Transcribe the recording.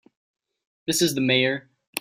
This is the Mayor.